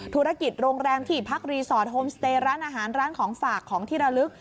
ธุรกิจโรงแรมที่พักรีสอร์ทโฮมสเตย์ร้านอาหารร้านของฝากของที่ระลึก